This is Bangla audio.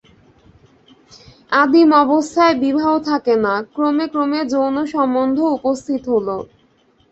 আদিম অবস্থায় বিবাহ থাকে না, ক্রমে ক্রমে যৌনসম্বন্ধ উপস্থিত হল।